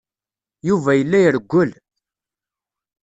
Yuba yella irewwel.